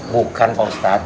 bukan pak ustaz